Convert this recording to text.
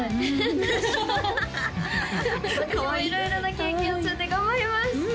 私も色々な経験を積んで頑張ります！